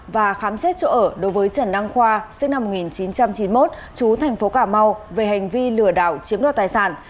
và khám xét chỗ ở đối với trần đăng khoa sinh năm một nghìn chín trăm chín mươi một chú thành phố cà mau về hành vi lừa đảo chiếm đoạt tài sản